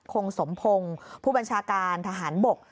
คงสมพงศ์ผู้บัญชาการทหารบก